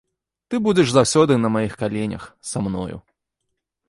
Ты будзеш заўсёды на маіх каленях, са мною.